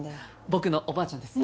僕のおばあちゃんです。